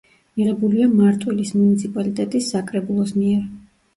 მიღებულია მარტვილის მუნიციპალიტეტის საკრებულოს მიერ.